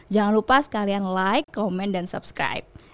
jangan lupa sekalian like komen dan subscribe